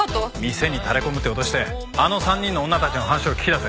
店にタレ込むって脅してあの３人の女たちの話を聞き出せ。